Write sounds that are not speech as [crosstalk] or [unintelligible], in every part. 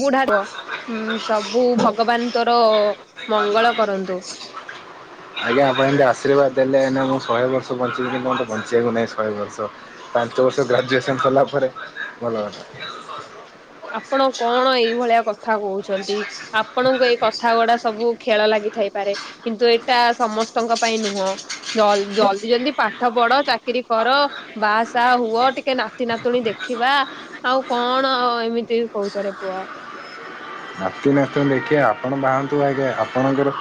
ବୁଢ଼ା କୁହ ହୁଁ ସବୁ ଭଗବାନ୍ ତୋର ମଙ୍ଗଳ କରନ୍ତୁ। ଆଜ୍ଞା ଆପଣ ଏମିତି ଆଶୀର୍ବାଦ୍ ଦେଲେ ଏଇନା ମୁଁ ଶହେ ବର୍ଷ ବଞ୍ଚିବି କିନ୍ତୁ ମୋତେ ବଞ୍ଚିବାକୁ ନାହିଁ ଶହେ ବର୍ଷ। ପାଞ୍ଚ ବର୍ଷ ଗ୍ରାଜୁଏସନ୍ ସର୍ଲା ପରେ ଭଲ ବାଟ। ଆପଣ କଣ ଏଇ ଭଳିଆ କଥା କହୁଛନ୍ତି। ଆପଣଙ୍କୁ ଏଇ କଥା ଗୁଡା ସବୁ ଖେଳ ଲାଗିଥାଇପାରେ କିନ୍ତୁ ଏଇଟା ସମସ୍ତଙ୍କ ପାଇଁ ନୁହଁ ଜଲ୍ ଜଲ୍ଦି ପାଠ ପଢ ଚା କିରୀ କର ବାହାସାହା ହୁଅ ଟିକେ ନାତି ନାତୁଣୀ ଦେଖିବା ଆଉ କଣ ଏମିତି ହଉଛରେ ପୁଅ। ନାତି ନାତୁଣୀ ଦେଖିଆ ଆପଣ ବାହାହୁଅନ୍ତୁ ଆଗେ ଆପଣଙ୍କର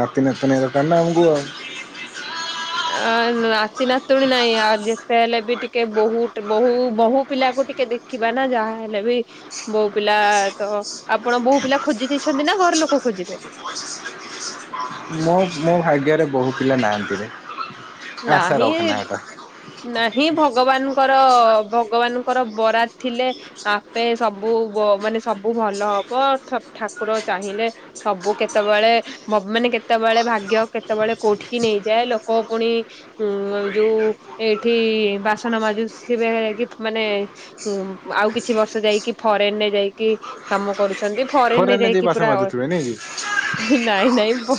ନାତି ନାତୁଣୀ ଦର୍କାର୍ ନା ଆମକୁ ଆଉ। ଏ ନାତି ନାତୁଣୀ ନାଇଁ ଆଉ ଯେତେ ହେଲେ ବି ଟିକେ ବୋହୂଟ୍ ବୋହୂ ବୋହୂ ପିଲାକୁ ଟିକେ ଦେ ଖିବାନା ଯାହାହେଲେ ବି। ବୋହୂ ପିଲା ତ ଆପଣ ବୋହୂ ପିଲା ଖୋଜି ଦେଇଛନ୍ତି ନା ଘର ଲୋକ ଖୋଜିବେ? [unintelligible] ମୋ ମୋ ଭାଗ୍ୟରେ ବୋହୂ ପିଲା ନାହାଁନ୍ତିରେ। ନାହିଁ ନାହିଁ ଭଗବାନ୍ଙ୍କର ଭଗବାନ୍ଙ୍କର ବରାଦ୍ ଥିଲେ ଆପେ ସବୁ ଗ ମାନେ ସବୁ ଭଲ ହବ ଠକ୍ ଠାକୁର ଚାହିଁଲେ ସବୁ କେତେବେଳେ ମ ମାନେ କେତେବେଳେ ଭାଗ୍ୟ କେତେବେଳେ କୋଉଠିକି ନେଇଯାଏ ଲୋକ ପୁଣି ଉଁ ଯୋଉ ଏଇଠି ବାସନ ମାଜୁ ସେବେ କି ମାନେ ହୁଁ ଆଉ କିଛି ବର୍ଷ ଯାଇକି ଫରେନ୍ ରେ ଯାଇ କି କାମ କରୁଛନ୍ତି ଫରେନ୍ ରେ ଫୋରେନରେ ଯାଇ ଯାଇକି ବାସନ ପୁରା ମାଜୁଥିବେ ନାଇଁ କି ଅଏ ନାଇଁ ନାଇଁ ପ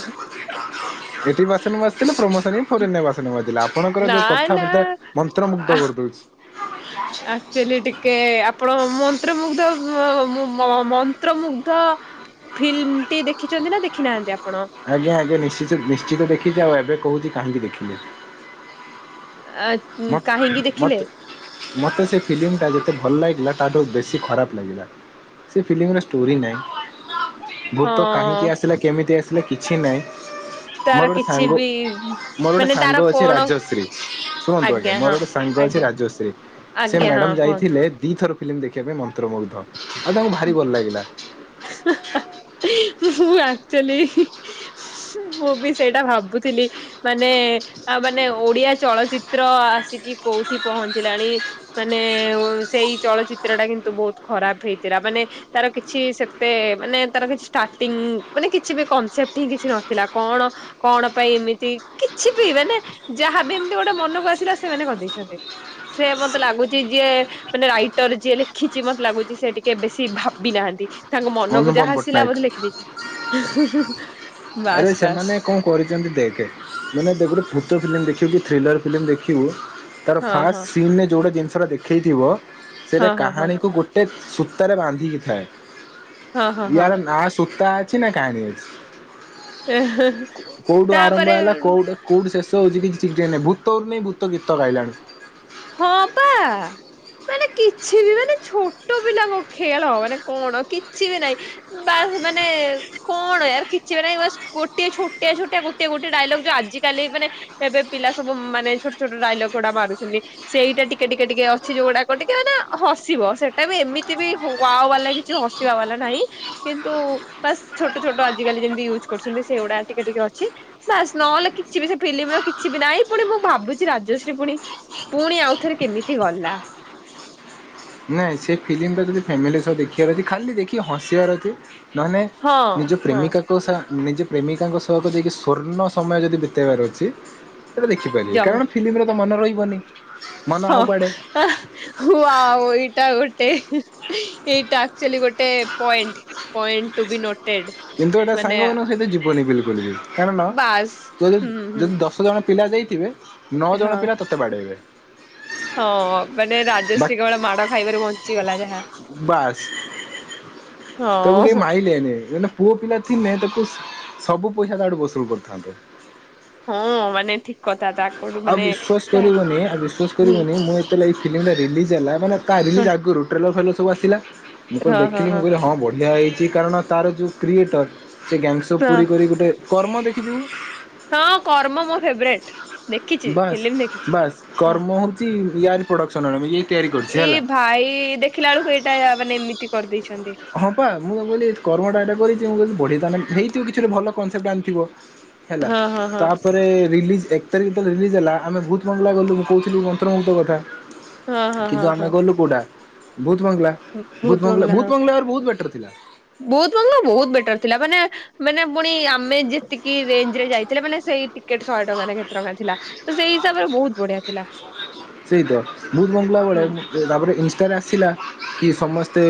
ଏଠି ବାସନ୍ ମାଜ୍ କିନ୍ତୁ ପ୍ରମୋସନ୍ ବି ଫରେନ୍ ରେ ବାସନ ମାଜିଲା ଆପଣଙ୍କର ନା ଯୋଉ କଥା ନା ମତେ ମନ୍ତ୍ରମୁଗ୍ଧ କର୍ଦଉଛି। ଆ କ୍ଚୁଲି ଟିକେ ଆପଣ ମନ୍ତ୍ରମୁଗ୍ଧ ମମ ମନ୍ତ୍ରମୁଗ୍ଧ ଫିଲ୍ମ୍ ଟି ଦେଖିଛନ୍ତି ନା ଦେଖିନାହାଁନ୍ତି ଆପଣ? ଆଜ୍ଞା ଆଜ୍ଞା ନିଶ୍ଚିତ ନିଶ୍ଚିତ ଦେଖିଛି ଆଉ ଏବେ କହୁଛି କାହିଁକି ଦେଖିଲି। ଆ ମତ କାହିଁକି ଦେଖିଲେ? ମତେ ମତେ ସେ ଫିଲ୍ମିଟା ଯେତେ ଭଲ୍ ଲାଗିଲା ତାଠୁ ବେଶୀ ଖରାପ୍ ଲାଗିଲା ସେ ଫିଲ୍ମିର ଷ୍ଟୋରୀ ନାହିଁ ଭୂତ କାହିଁକି ହଁ ଆସିଲା କେମିତି ଆସିଲା କିଛି ନାହିଁ। ତାର ମୋର ଗୋଟେ କିଛି ସାଙ୍ଗ ବି ମୋର ଗୋଟେ ମାନେ ତାର ସାଙ୍ଗ ଅଛି କଣ ରାଜଶ୍ରୀ ଶୁଣନ୍ତୁ ଆଜ୍ଞା ମୋର ହଁ ଗୋଟେ ସାଙ୍ଗ ଅଛି ଆଜ୍ଞା ରାଜଶ୍ରୀ ସେ ଆଜ୍ଞା ହଁ ମ୍ୟାଡ଼ାମ୍ କୁହନ୍ତୁ। ଯାଇଥିଲେ ଦି ଥର ଫିଲ୍ମି ଦେଖିବା ପାଇଁ ମନ୍ତ୍ରମୁଗ୍ଧ। ଆଉ ତାଙ୍କୁ ଭାରି ଭଲ ଲାଗିଲା। ମୁଁ ଆକ୍ଚେଲି ମୁଁ ବି ସେଇଟା ଭାବୁଥିଲି ମାନେ ଆ ମାନେ ଓଡିଆ ଚଳଚ୍ଚିତ୍ର ଆସିକି କୋଉଠି ପହଞ୍ଚିଲାଣି ମାନେ ଓ ସେଇ ଚଳଚ୍ଚିତ୍ରଟା କିନ୍ତୁ ବହୁତ୍ ଖରାପ୍ ହେଇଥିଲା ମାନେ ତାର କିଛି ସେତେ ମାନେ ତାର କିଛି ଷ୍ଟାର୍ଟିଂ ମାନେ କିଛି ବି କନସେପ୍ଟ୍ ହିଁ କିଛି ନଥିଲା କଣ କଣ ପାଇଁ ଏମିତି କିଛି ବି ମାନେ ଯାହାବି ଏମିତି ଗୋଟେ ମନକୁ ଆସିଲା ସେମାନେ କର୍ଦେଇଛନ୍ତି। ସେୟା ମତେ ଲାଗୁଛି ଯିଏ ମାନେ ରାଇଟର୍ ଯିଏ ଲେଖିଛି ମତେ ଲାଗୁଛି ସେ ଟି କେବେ ସିଏ ଭାବିନାହାଁନ୍ତି ତାଙ୍କ ମନକୁ ଅନୁପମ ଯାହା ଆସିଲା ପଟ୍ଟନାୟକ ବୋଧେ ଲେଖିଦେଇଛନ୍ତି। ଆରେ ସେମାନେ କଣ କରିଛନ୍ତି ଦେଖେ, ମାନେ ଗୋଟେ ଭୂତ ଫିଲ୍ମ ଦେଖିବୁ କି ଥ୍ରିଲର ଫିଲ୍ମ ଦେଖିବୁ ତାର ହଁ ଫାଷ୍ଟ ହଁ ସିନରେ ଯୋଉଟା ଜିନିଷଟା ଦେଖେଇଥିବ, ସେଇଟା ହଁ ହଁ ହଁ କାହାଣୀକୁ ଗୋଟେ ଗୋଟେ ସୂତାରେ ବାନ୍ଧିକି ଥାଏ। ହଁ ହଁ ହଁ। ୟାର ନା ସୂତା ଅଛି ନା, କାହାଣୀ ଅଛି। କୋଉଠୁ ତାପରେ ଆରମ୍ଭ ହେଲା, କୋଉଠୁ କୋଉଠି ଶେଷ ହଉଛି, କିଛି ଠିକ୍ ଠିକଣା ନାହିଁ। ଭୂତରୁ ନେଇଁ ଭୂତ ଗୀତ ଗାଇଲାଣି। ହଁ ପା। ମାନେ କିଛି ବି ମାନେ ଛୋଟ ପିଲାଙ୍କ ଖେଳ ମାନେ କଣ କିଛି ବି ନାଇଁ ବାସ୍ ମାନେ କଣ ୟାର କିଛି ବି ନାଇଁ। ବାସ୍ ଗୋଟଏ ଛୋଟିଆ ଛୋଟିଆ ଗୋଟିଏ ଗୋଟିଏ ଡାଇଲଗ ଯୋଉ ଆଜିକାଲି ମାନେ ଏବେ ପିଲା ସବୁ ମାନେ ଛୋଟ ଛୋଟ ଡାଇଲଗ ଗୁଡା ମାରୁଛନ୍ତି ସେଇଟା ଟିକେ ଟିକେ ଟିକେ ଅଛି ଯୋଉଗୁଡାକ ଟିକେ ମାନେ ହସିବ ସେଇଟା ବି ଏମିତି ବି ୱା ବାଲା ବି। କିଛି ହସିବା ବାଲା ନାଇଁ କିନ୍ତୁ ବାସ ଛୋଟ ଛୋଟ ଆଜିକାଲି ଯେମିତି ୟୁଜ୍ କରୁଛନ୍ତି ସେଇଗୁଡା ଟିକେ ଟିକେ ଅଛି। ଵାସ୍ ନହେଲେ କିଛି ବି ସେ ଫିଲ୍ମର କିଛି ବି ନାହିଁ ପୁଣି ମୁଁ ଭାବୁଛି ରାଜଶ୍ରୀ ପୁଣି ପୁଣି ଆଉଥରେ କେମିତି ଗଲା। ନାଇଁ ସେ ଫିଲ୍ମଟା ଯଦି ଫ୍ୟାମିଲି ସହ ଦେଖିବାର ଅଛି ଖାଲି ଦେଖି ହସିବାର ଅଛି। ନହେଲେ ହଁ ନିଜ ହଁ। ପ୍ରେମିକା ନିଜ ପ୍ରେମିକାଙ୍କ ସହଙ୍କ ଯାଇକି ସ୍ଵର୍ଣ୍ଣ ସମୟ ଯଦି ବିତେଇବାର ଅଛି ସେଇଟା ଦେଖିପାରିବେ ଜମା କାରଣ ଫିଲ୍ମରେ ତ ମନ ରହିବନି। ମନ ହଁ। ଆଉ କୁଆଡ଼େ ୱାଓ ଏଇଟା ଗୋଟେ ଏଇଟା ଆକ୍ଚୁଲି ଗୋଟେ point. Point to be noted. କିନ୍ତୁ ଏଇଟା ମାନେ ସାଙ୍ଗମାନଙ୍କ ସହିତ ଯିବନି ବିଲକୁଲ ବି କାରଣ ବାସ୍ ତୋ ହୁଁ ହୁଁ ଯଦି ଦଶ ଜଣ ପିଲା ଯାଇଥିବେ ନଅ ହଁ ଜଣ ପିଲା ତୋତେ ବାଡ଼େଇବେ। ହଁ ମାନେ ରାଜଶ୍ରୀ କେବଳ ମାଡ଼ ଖାଇବାରୁ ବଞ୍ଚିଗଲା ଯାହା। ବାସ ତାକୁ କେ ହଁ ମାଇଲେନି ହେଲା। ପୁଅ ପିଲା ଥିଲେ ତାକୁ ସବୁ ପଇସା ତାଠୁ ବସୁଲ୍ କରିଥାନ୍ତେ। ହଁ ମାନେ ଠିକ୍। କଥାଟା। ଆଉ ବିଶ୍ୱାସ କରିବନି ଆଉ ବିଶ୍ୱାସ ହୁଁ। କରିବନି ମୁଁ ଏ ଏଇ ଫିଲ୍ମଟା ରିଲିଜ ହେଲା ମାନେ ତା ହଁ ରିଲିଜ ଆଗରୁ ଟ୍ରେଲର ଫେଲର ସବୁ ଆସିଲା। ମୁଁ କହିଲି ଦେଖିଲି ମୁଁ କହିଲି ହଁ ବଢ଼ିଆ ହେଇଛି କାରଣ ତାର ଯେଉଁ କ୍ରିଏଟର୍ ସେ ଗ୍ୟାଙ୍ଗସବ ହଁ ପୁରୀ କରି ଗୋଟେ। କର୍ମ ଦେଖିବୁ। ହଁ କର୍ମ ମୋ ଫେବରେଟ। ଦେଖିଛି ବାସ୍ ଫିଲ୍ମ ଦେଖିଛି ବାସ୍ ହଁ। କର୍ମ ହଉଛି ୟାରି ପ୍ରଡକ୍ସନର ବି। ଏ ଭାଇ ଦେଖିଲା ବେଳକୁ ଏଇଟା ମାନେ ଏମିତି କରିଦେଇଛନ୍ତି। ହଁ ପା ମୁଁ ତ କହିଲି କର୍ମଟାଟା କରିଛି ମୁଁ କି ବଢ଼ି ତାନ ହେଇଥିବ କିଛି ଗୋଟେ ଭଲ କନସେପ୍ଟ ପ୍ଲାନ ଥିବ। ହେଲା ହଁ ହଁ ହଁ ତ ତାପରେ ରିଲିଜ୍ ଏକ ତାରିଖ ଯେତେବେଳେ ରିଲିଜ୍ ହେଲା ଆମେ ଭୁତ ବଙ୍ଗଳା ଗଲୁ ମୁଁ କହୁଥିଲୁ ମନ୍ତ୍ରମୁଗ୍ଧ କଥା। ହଁ ହଁ ହଁ କିନ୍ତୁ ଆମେ ହଁ ଗଲୁ କୋଉଟା ଭୂତ ବଙ୍ଗଳା। ହଁ ଭୂତ ବଙ୍ଗଳା। ଭୂତ ବଙ୍ଗଳା ବହୁତ ବେଟର ଥିଲା। ଭୂତ ବଙ୍ଗଳା ବହୁତ ବେଟର ଥିଲା ମାନେ ମାନେ ପୁଣି ଆମେ ଯେତିକି ରେଞ୍ଜ ରେ ଯାଇଥିଲେ ମାନେ ସେଇ ଟିକେଟ ଶହେ ଟଙ୍କା କେ। [unintelligible] ଥିଲା ସେଇ ତ ଭୂତ ବଙ୍ଗଲା ବେଳେ ହୁଁ। ତାପରେ ଇନଷ୍ଟାରେ ଆସିଲା କି ସମସ୍ତେ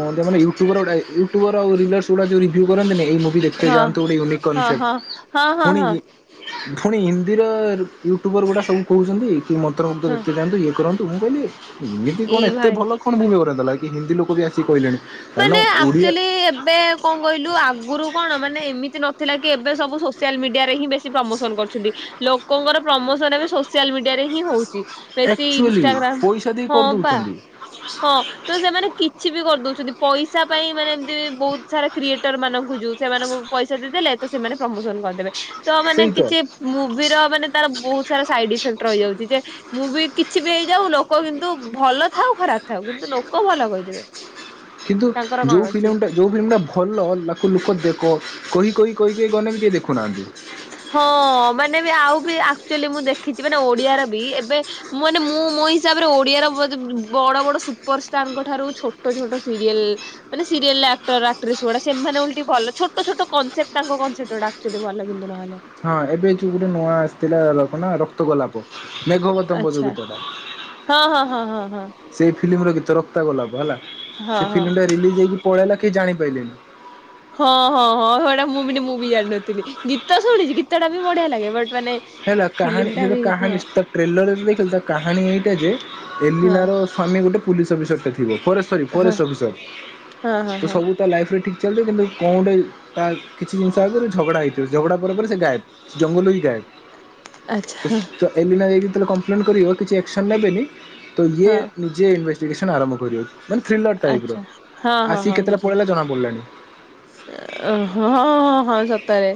ମାନେ ୟୁଟ୍ୟୁବ୍ର ଗୁଡ଼ା ୟଟ୍ୟୁବର ଆଉ ରିଲସର ଗୁଡ଼ା ଯଉ ରିଭ୍ୟୁ କରନ୍ତିନି ଏଇ ମୁଭି ଦେଖତେ ହଁ ଯାଅନ୍ତୁ ଗୋଟେ ଉନିକ୍ ହଁ କନସେପ୍ଟ ହଁ ହଁ ହଁ ଫୁଣି ହଁ। ପୁଣି ହିନ୍ଦୀର ୟୁଟ୍ୟୁବର ଗୁଡା ସବୁ କହୁଛନ୍ତି କି ମନ୍ତ୍ରମୁ୍ଧ ହଁ। ଦେଖି ଯଥାଆନ୍ତୁ ଇଏ କରନ୍ତୁ। ତୁ ମୁଁ କହିଲି ଏମିତି କଣ ଏଇ ଏତେ ଭାଇ ଭଲ କଣ ଭମି କରନ୍ଲା କି ହିନ୍ଦୀ ଲୋକ ବି ଆସି କହିଲେଣି। କାରଣ ମାନେ ଓଡ଼ିଆ ଆକ୍ଚୁଆଲି ଏବେ କଣ କହିଲୁ ଆଗରୁ କଣ ମାନେ ଏମିତି ନଥିଲା କି ଏବେ ସବୁ ସୋସିଆଲ ମିଡିଆରେ ହିଁ ବେ ପ୍ରମୋସନ କରୁଛନ୍ତି ଲୋକଙ୍କର ପ୍ରମୋସନ ଏବେ ସୋସିଆଲ ମିଡିଆରେ ହିଁ ହଉଛି। ବେଶୀ ଆକ୍ଚୁଆଲି ଇନଷ୍ଟାଗ୍ରାମ ପଇସା ଦେଇ ହଁ ପା। କରିଦଉଛନ୍ତି ହଁ ତ ସେମାନେ କିଛି ବି କରିଦଉଛନ୍ତି ପଇସା ପାଇଁ ମାନେ। ବହୁତ ସାରା କ୍ରିଏଟରମାନଙ୍କୁ ଯୋଉ ସେମାନଙ୍କୁ ପଇସା ଦେଇଦେଲେ ତ ସେମାନେ ପ୍ରମୋସନ କରିଦେ ତ ମାନେ କିଛି ମୁଭିର ମାନେ ତାର ବହୁତ ସାରା ସାଇଡ ଇଫେକ୍ଟ ରହିଯାଉଛି ଯେ ମୁଭି କିଛି ବି ହେଇଯାଉ ଲୋକ କିନ୍ତୁ ଭଲ ଥାଉ ଖରାପ ଥାଉ କିନ୍ତୁ ଲୋକ ଭଲ କହିଦେବେ। କିନ୍ତୁ ତାଙ୍କର କଣ ଯଉଁ ଅଛି। ଫିଲମଟା ଯଉଁ ଫିଲ୍ମଟା ଭଲ ତାକୁ ଲୋକ ଦେଖ କହି କହି କହି କେ ଗଲେବି କେହି ଦେଖୁନାହାଁନ୍ତି। ହଁ ମାନେ ବି ଆଉ ବି ଆକ୍ଚୁଆଲି ମୁଁ ଦେଖିଛି ମାନେ ଓଡିଆର ବି ଏବେ। ମୁଁ ଏଇନେ ମୁଁ ମୋ ହିସାବରେ ଓଡିଆର ବଡ ବଡ ସୁପରଷ୍ଟାରଙ୍କ ଠାରୁ ଛୋଟ ଛୋଟ ସିରିଏଲ୍। ମାନେ ସରିଏଲର ଆକ୍ଟର ଆକ୍ଟ୍ରେସ୍ ଗୁଡା ସେମାନେ ଓଲଟି ଭଲ ଛୋଟ ଛୋଟ କନସେ୍ଟ ତାଙ୍କ କନସେ୍ଟକ୍ଲି ଆଚୂଆଲୀ ଭଲ କିନ୍ତୁ ନ ହେଲେ। ହଁ ଏବେ ଯୋଉ ଗୋଟେ ନୂଆ ଆସିଥିଲା ଳପନା ରକ୍ତ ଗୋଲାପ। ମେଘ ଆଚ୍ଛା [unintelligible] ହଁ ହଁ ହଁ ହଁ ହଁ। ସେଇ ଫିଲ୍ମି ର ଗୀତ ରକ୍ତ ଗୋଲାପ ହେଲା ହଁ ସେ ହଁ ଫିଲ୍ମି ଟା ରିଲିଜ୍ ହେଇକି ପଳେଇଲା କେହି ଜାଣିପାରିଲେନି। ହଁ ହଁ ହଁ ସେଇଟା ମୁଁ ଭିଡି ମାନେ ମୁଁ ବି ଜାଣିନଥିଲି ଗୀତ ଶୁଣିଛି ଗୀତଟା ବି ବଢିଆ ଲାଗେ ବଟ୍ ମାନେ। ହେଲା ଫିଲ୍ମ କାହାଣୀ ଟା ଏଯୋଉ ବି କାହାଣୀ ହଁ ମିଷ୍ଟକ ଟ୍ରେଲରରେ ନୁହେଁତ କିନ୍ତୁ ତାକାହାଣୀ ଏଇଟା ଯେ ହଁ ଏଲିନାର ସ୍ଵାମୀ ଗୋଟେ ପୁଲିସ ଅଫିସରଟା ଥିବ ଫରେ ସରି ହଁ ଫରେଷ୍ଟ ଅଫିସର ହଁ ହଁ ତ ହଁ ସବୁ ତା ଲାଇଫ୍ରେ ଠିକ୍ ଚାଲୁ କିନ୍ତୁ କଣ ଗୋଟେ ତା କିଛି ଜିନିଷ ଆଗରେ ଝଗଡ଼ା ହେଇଥିବେ ଝଗଡ଼ା ପରେ ସେ ଗାଏପ୍। ଜଙ୍ଗଲରୁ ହିଁ ଗାଏପ୍। ଆଚ୍ଛା ଏଲିନା ଏଇଠିଥୁଲେ କମ୍ପ୍ଲେନ କରିବ କିଛି ଆକ୍ସନ ନେବେନି ତ ଇଏ ହଁ ଉ ଯିଏ ଇନଭେଷ୍ଟିଗେସନ୍ ଆରମ୍ଭ କରିବ ମାନେ ଥ୍ରିଲର୍ ଟାଇପ୍ର ଆଚ୍ଛା ହଁ ହଁ ଆସିକି କେତେବେଳେ ପଳେଇଲା ଜଣାପଡ଼ିଲାଣି। ହ୍ରା ହଁ ହଁ ହଁ ସତରେ।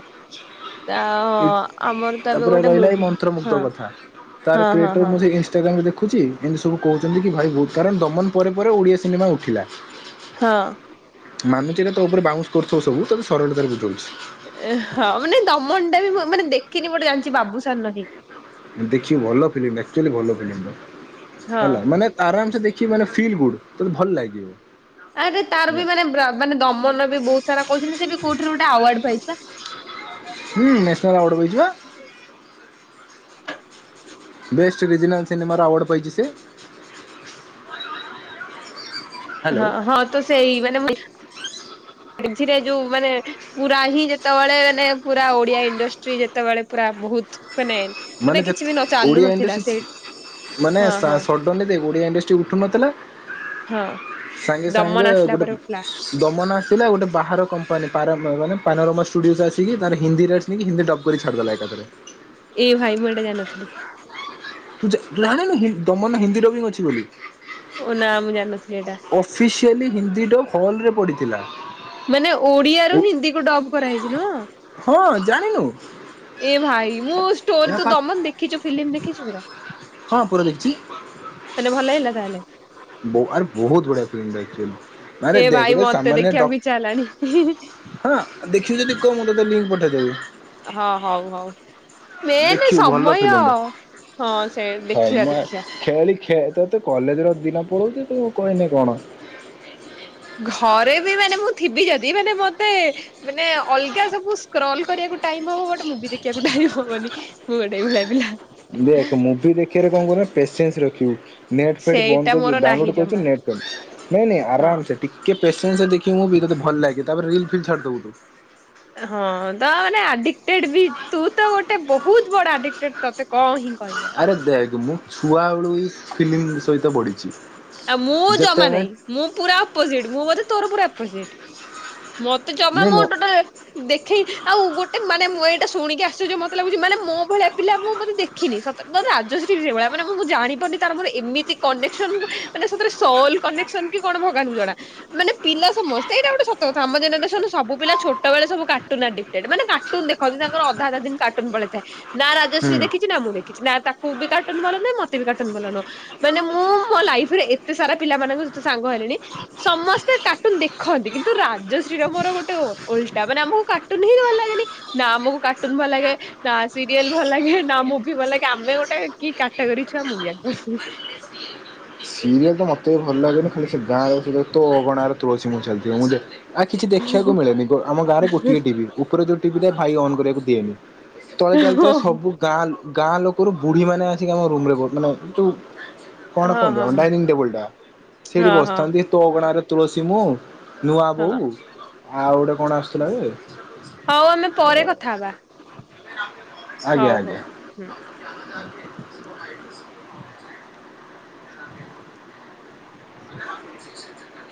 ତା ହ ଏ ଆମର ତାପରେ ଗୋଟେ ରହିଲା ଏଇ ମୁଭି ମନ୍ତ୍ରମୁଗ୍ଧ ହଁ। କଥା। ତାର ହଁ ହଁ କ୍ରିଏଟର ହଁ ମୁଁ ଯେ ଇନଷ୍ଟାଗ୍ରାମ ଦେଖୁଚି। ଏନ୍ ସବୁ କହୁଛନ୍ତି କି ଭାଇ ବହୁତ୍ କାରଣ ଦମନ ପରେ ପରେ ଓଡ଼ିଆ ସିନେମା ଉଠିଲା। ହଁ। ମାନୁଚି ଏଟା ତୋ ଉପରେ ବାଉନ୍ସ କରୁଥିବ ସବୁ ତତେ ସରଳତାରେ ବୁଝୋଉଚି। ହଁ ମାନେ ଦମନଟା ବି ମୁଁ ମାନେ ଦେଖିନି ବଟ ଜାଣିଛି ବାବୁସାନ୍ ନାହିିଁ। ଦେଖିବୁ ଭଲ ଫିଲ୍ମ ଆକ୍ଚୁଆଲି ଭଲ ଫିଲ୍ମଟା ହଁ ହେଲା ମାନେ ଆରାମ୍ ସେ ଦେଖିଵୁ ମାନେ ଫିଲ୍ ଗୁଡ୍ ତତେ ଭଲ ଲାଗିବ। ଆଉ ତାର ହେଲା। ବି ମାନେ ବ୍ରା ମାନେ ଦମନ୍ ବି ବହୁତ୍ ସାରା କହୁଛନ୍ତି ସେ ବି କୋଉଠି ଗୋଟେ ଆୱାର୍ଡ ପାଇଛିପା? ହୁଁ ନ୍ୟାସନାଲ୍ ଆୱାର୍ଡ଼ ପାଇଛିପା। ବେଷ୍ଟ ରିଜିନାଲ ସିିନେମାର ଆୱାଡ୍ ପାଇଛିି ସେ। [unintelligible] ହଁ ହଁ ତ ସେଇ ମାନେ [unintelligible] ମଝିରେ ଯୋଉ ମାନେ। ପୁରା ହିଁ ଯେତେବେଳେ ମାନେ ପୁରା ଓଡିଆ ଇଣ୍ଡଷ୍ଟ୍ରି ଯେତେବେଳେ ପୁରା ବହୁତ ମାନେ। ମାନେ ଯେତ୍ କିଛି ବି ନ ଚାଲୁ ଓଡ଼ିଆ ନଥିଲା ଇଣ୍ଡଷ୍ଟ୍ରି ସେଇ ମାନେ [unintelligible] ହଁ ହଁ ନହେଲେ ଭାଇ ଓଡ଼ିଆ ଇଣ୍ଡଷ୍ଟି ଉଠୁନଥିଲା ହଁ ସାଙ୍ଗେ ଦମନ ସାଙ୍ଗେ ଆସିଲା ଗୋଟେ ପରେ ଉଠିଲା ଦମନା ଆସିଲା ଗୋଟେ ବାହାର କମ୍ପାନୀ ପାରା ମାନେ ପାରାଗମ୍ ଷ୍ଟୁଡିଓ ଆସିକି ତାର ହିନ୍ଦୀରେ। କି ହିନ୍ଦି ଡକ୍ କରି ଛାଡ଼ିଦେଲା ଏକାଥରେ। ଏଇ ଭାଇ ମୁଁ ଏଟା ଜାଣି ନଥିଲି। ତୁ ଯା ଜାଣିନୁକି ଦମନ ହିନ୍ଦୀର ବି ଅଛି ବୋଲି ଓ ନା ମୁଁ ଜାଣି ନଥିଲି ଏଟା। ଅଫିସିଆଲି ହିନ୍ଦୀର ହଲରେ ପଡ଼ିଥିଲା। ମାନେ ଓଡିଆରୁ ହିନ୍ଦୀ କୁ ଡବ୍ କରାହେଇଛି ନୁହଁ। ହଁ ଜାଣିନୁ ଏ ଭାଇ ମୁଁ ତୋରି ଏହା ତୁ ପା ଦମନ ଦେଖିଛୁ ଫିଲ୍ମ ଦେଖିଛୁ ପୁରା। ହଁ ପୁରା ଦେଖିଛି ହେଲେ ଭଲ ଲାଗିଲା ତାହେଲେ। ମୋହାର ବହୁତ୍ ବଢିଆ ଫିଲ୍ମି ଚାଲିଛି। ଏ ଭାଇ ମତେ ଦେଖିବାକୁ ଇଛା ହେଲାଣି ହିଁ ହିଁ। ହଁ ଦେଖିବୁ ଯଦି କହ ମୁଁ ତତେ ଲିଙ୍କ୍ ପଠେଇଦେବି। ହଁ ହୋଉ ହୋଉ। ମେନ୍ ଦେଖିବୁ ଭଲ ସମୟ ଫିଲ୍ମଟା। ହଁ ସେମ୍ ଦେଖିବା ଦେଖିବା। ତୋର ତ କଲେଜର ଦିନ ପଳଉଚି ତୁ କହିଲେ କଣ। ଘରେ ବି ମାନେ ମୁଁ ଥିବି ଯଦି ମାନେ ମତେ ମାନେ ଅଲଗା ସବୁ ସ୍କ୍ରଲ କରିବାକୁ ଟାଇମ୍ ହବ ଗୋଟେ ମୁଭି। ଦେଖିବାକୁ ଟାଇମ୍ ହବନି ମୁଁ ଗୋଟେ ଏଇଭଳିଆ ପିଲା। ଦେଖେ ମୁଭି ଦେଖିବାରେ କଣ କରିବୁନା ପେସେନ୍ସ ରଖିବୁ। ନେଟ୍ ଫେଟ୍ ସେଇଟା ବନ୍ଦ ମୋର କରିଦବୁ ନାହିଁ ଡାଉନଲୋଡ଼ କରୁଚୁ ଜମା ନେଟ୍ ପାଉନି, ନାଇଁ ନାଇଁ ହଁ। ଆରାମସେ। ଟିକେ ପେସେନ୍ସରେ ଦେଖିବୁ ମୁଭି ତତେ ଭଲ ଲାଗେ ତାପରେ ରିଲ୍ ଫିଲ୍ ଛାଡି ଦବୁ ତୁ। ହଁ, ତା ମାନେ ଆଡି ଟେଡ୍ ବି, ତୁ ତ ଗୋଟେ ବହୁତ୍ ବଡ଼ ଆଡିଟେଡ୍ ତତେ କଣ ହିଁ କହିବ। ଆରେ ଦେଖ୍ ମୁଁ ଛୁଆ ବେଳୁ ହିଁ ଫିଲିମ୍ ସହିତ ବଢ଼ିଛି ଆଉ ମୁଁ ଜମା ନାହିଁ, ମୁଁ ପୁରା ଅପଜିଟ୍ ମୁଁ ବୋଧେ ତୋର ପୂରା ଅପଜିଟ୍। ମୋ ଜମା ନାଇଁ ମୁଁ ମୋ ଟୋଟାଲେ ଦେଖେଇ, ଆଉ ଗୋଟେ ମାନେ ମୁଁ ଏଇଟା ଶୁଣିକି ଆଶ୍ଚର୍ଯ୍ୟ ମତେ ଲାଗୁଚି ମାନେ ମୋ ଭଳିଆ ପିଲା ମୁଁ ମତେ ଦେଖିନି। ସତ ମାନେ ଆଯଶ୍ରୀ ହିଁ ସେଇଭଳିଆ, ମାନେ ମୁଁ ଜାଣିପାରୁନି ତାର ମୋର ଏମିତି କନେକସନ ମାନେ ସତରେ ସଲ୍ କନେକ୍ସନ କି କଣ ଭଗବାନଙ୍କୁ ଜଣା। ମାନେ ପିଲା ସମସ୍ତେ, ଏଇଟା ଗୋଟେ ସତକଥା। ଆମ ଜେନେରେସନ୍ ରେ ସବୁ ପିଲା ଛୋଟବେଳେ ସବୁ କାର୍ଟୁନ୍ ଆଡିକ୍ଟେଡ୍ ମାନେ କା କାର୍ଟୁନ ଦେଖନ୍ତି ତାଙ୍କର ଅଧା ଅଧା ଦିନ୍ କାର୍ଟୁନ ପଳେଇଥାଏ, ନା ରାଜଶ୍ରୀ ହୁଁ। ଦେଖିଛି ନା ମୁଁ ଦେଖି କିଛି ନା ତାକୁ ବି କାଟୁନ୍ ଭଲନୁହେଁ ମତେ ବି କାଟୁନ୍ ଭଲ ନୁହଁ। ମାନେ ମୁଁ ମୋ ଲାଇ ଇଫ୍ ରେ, ଏତେ ସାରା ପିଲା ମାନଙ୍କ ସହିତ ସାଙ୍ଗ ହେଲିଣି। ସମସ୍ତେ କାର୍ଟୁନ୍ ଦେଖନ୍ତି। କିନ୍ତୁ ରାଜଶ୍ରୀର ମୋର ଗୋଟେ ଓଲଟା, ମାନେ ଆମକୁ କାର୍ଟୁନ ହିଁ ଭଲ ଲାଗେନି। ନାଁ ଆମୁକୁ କାଟୁନ ଭଲ୍ ଲାଗେ ନା ସିରିଏଲ୍ ଭଲ ଲାଗେ, ନା ମୁଭି ଭଲ ଲାଗେ, ଆମେ ଗୋଟେ କି କ୍ୟାଟାଗେରୀ ଛୁଆ ମୁଁ ବିି ଜାଣି ପାରୁନି। ସିରିଏଲ୍ ତ ମତେ ବି ଭଲ ଲାଗେନି, ଖାଲି ସେ ଗାଁରେ ତୋ ଅଗଣାର ତୁଳସୀ ମୁଁ ଚାଲିଥିବ। ମୁଁ ଦେ ଆଉ କିଛି ଦେଖିବାକୁ ହଁ ମିଳେନି, ଆମ ଗାଁରେ ଗୋଟିଏ ଟିଭି। ଉପରେ ଯେଉଁ ଟିଭି ଟା ଭାଇ ଅନ୍ କରିବାକୁ ଦିଏନି। ତଳେ ହଁ ଚାଲିଥିଲା ସବୁ। ଗାଁ, ଗାଁ ଲୋକରୁ ବୁଢ଼ୀ ମାନେ ଆସିକି ଆମ ରୁମ୍ ରେ ବଉ ମାନେ ଯୋଉ କଣ? ହଁ ଲଂ ହଁ ଡାଇନିଂ ଟେବୁଲ୍ ଟା, ସେଇଟି ହଁ ବସିଥାନ୍ତି ତୋ ଅଗଣାର ତୁଳସୀ ମୁଁ ନୂଆ ହଁ। ବୋଉ, ଆଉ ଗୋଟେ କଣ ଆସୁଥିଲା ଯେ? ହଉ ଆମେ ପରେ କଥା ହବା ଆଜ୍ଞା ହଉ ହଉ ଆଜ୍ଞା। ହୁଁ। ହଁ ସେ [unintelligible]